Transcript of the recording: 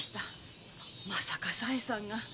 まさか佐枝さんが。